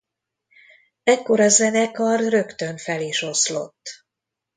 Ekkor a zenekar rögtön fel is oszlott.